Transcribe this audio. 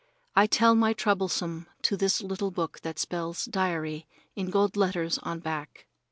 I tell my troublesome to this little book what spells "Diary" in gold letters on back.